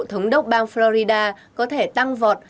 thống đốc bang florida có thể tăng vọt